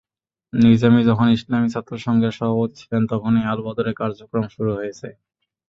নিজামী যখন ইসলামী ছাত্রসংঘের সভাপতি ছিলেন, তখনই আলবদরের কার্যক্রম শুরু হয়েছে।